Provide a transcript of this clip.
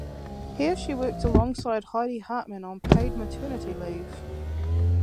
Here she worked alongside Heidi Hartmann on paid maternity leave.